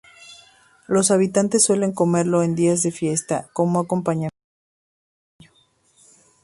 Los habitantes suelen comerlo en días de fiesta, como acompañamiento de un bocadillo.